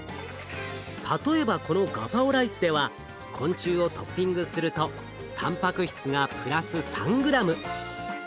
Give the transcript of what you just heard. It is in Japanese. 例えばこのガパオライスでは昆虫をトッピングするとたんぱく質がプラス３ｇ。